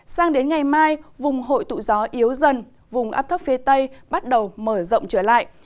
sang đến ngày mai vùng hội tụ gió yếu dần vùng áp thấp phía tây bắt đầu mở rộng trở lại